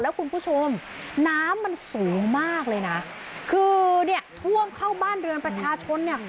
แล้วคุณผู้ชมน้ำมันสูงมากเลยนะคือเนี่ยท่วมเข้าบ้านเรือนประชาชนเนี่ย